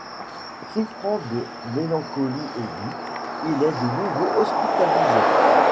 Souffrant de mélancolie aiguë, il est de nouveau hospitalisé.